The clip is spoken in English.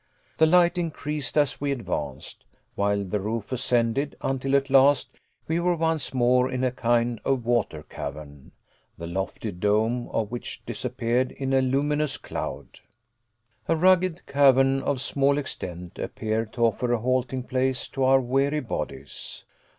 The light increased as we advanced, while the roof ascended; until at last, we were once more in a kind of water cavern, the lofty dome of which disappeared in a luminous cloud! A rugged cavern of small extent appeared to offer a halting place to our weary bodies.